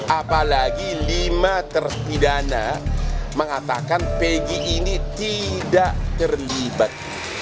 apalagi lima terpidana mengatakan pg ini tidak terlibat